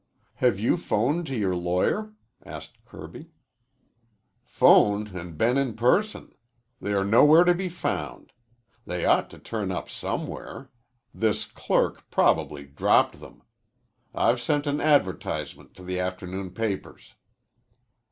"Have you 'phoned to your lawyer?" asked Kirby. "'Phoned and been in person. They are nowhere to be found. They ought to turn up somewhere. This clerk probably dropped them. I've sent an advertisement to the afternoon papers."